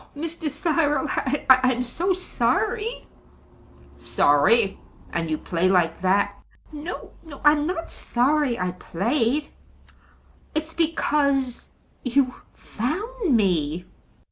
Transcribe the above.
"Oh, Mr. Cyril I'm so sorry!" "Sorry! and you play like that!" "No, no; I'm not sorry I played. It's because you found me."